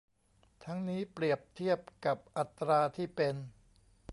ทั้งนี้เปรียบเทียบกับอัตราที่เป็น